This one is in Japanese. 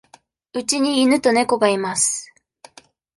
うちに犬と猫がいます。